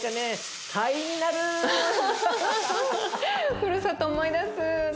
ふるさと思い出す。